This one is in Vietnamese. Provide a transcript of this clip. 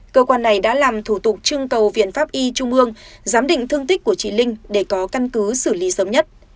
cơ quan này đã làm thủ tục trưng cầu viện pháp y trung ương giám định thương tích của chị linh để có căn cứ xử lý sớm nhất